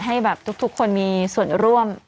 ให้แบบทุกคนมีส่วนร่วม